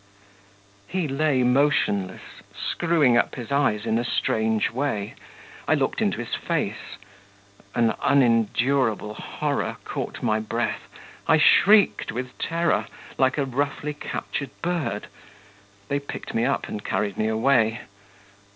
He lay motionless, screwing up his eyes in a strange way. I looked into his face an unendurable horror caught my breath; I shrieked with terror, like a roughly captured bird they picked me up and carried me away.